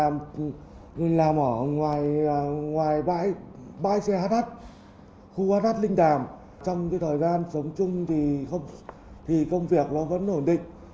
mình làm ở ngoài bãi xe hh khu hh linh đàm trong thời gian sống chung thì công việc vẫn ổn định